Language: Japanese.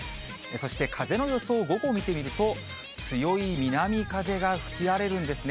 そして、風の予想、午後見てみると、強い南風が吹き荒れるんですね。